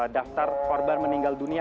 daftar korban meninggal dunia